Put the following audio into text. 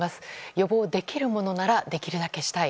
予防できるものならできるだけしたい。